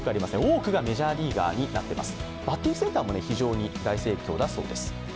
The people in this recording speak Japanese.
多くがメジャーリーガーになってます。